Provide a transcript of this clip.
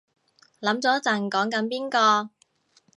諗咗陣講緊邊個